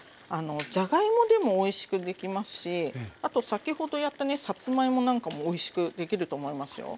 じゃがいもでもおいしくできますしあと先ほどやったねさつまいもなんかもおいしくできると思いますよ。